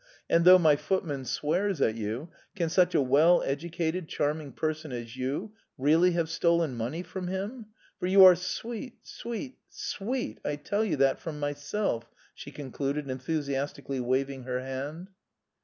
"And though my footman swears at you, can such a well educated charming person as you really have stolen money from him? For you are sweet, sweet, sweet, I tell you that from myself!" she concluded, enthusiastically waving her hand.